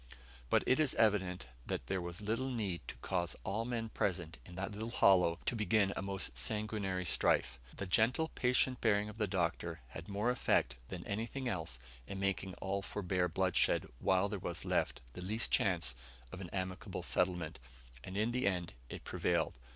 But it is evident that there was little needed to cause all men present in that little hollow to begin a most sanguinary strife. The gentle, patient bearing of the Doctor had more effect than anything else in making all forbear bloodshed, while there was left the least chance of an amicable settlement, and in the end it prevailed.